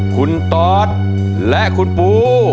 คุณตอสและคุณปู